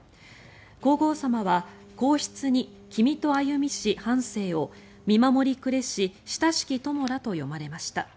皇后さまは「皇室に君と歩みし半生を見守りくれし親しき友ら」と詠まれました。